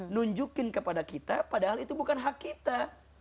nunjukin kepada kita padahal itu bukan hak kita